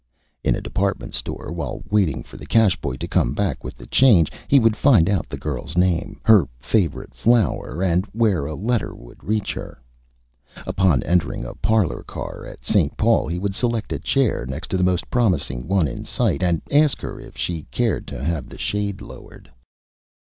In a Department Store, while waiting for the Cash Boy to come back with the Change, he would find out the Girl's Name, her Favorite Flower, and where a Letter would reach her. Upon entering a Parlor Car at St. Paul he would select a Chair next to the Most Promising One in Sight, and ask her if she cared to have the Shade lowered.